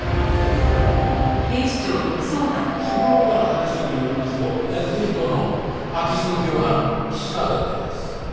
島本の話によりますと安彦の空き巣の共犯岸川だったようです。